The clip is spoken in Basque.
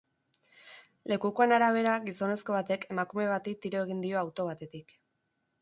Lekukoen arabera, gizonezko batek emakume bati tiro egin dio auto batetik.